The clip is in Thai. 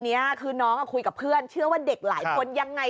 เนี้ยคือน้องคุยกับเพื่อนเชื่อว่าเด็กหลายคนยังไง